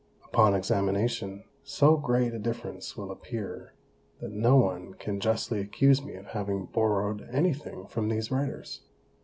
Upon examination, so great a Difference will appear, that no one can justly accuse me of having borrow'd any thing from these Writers.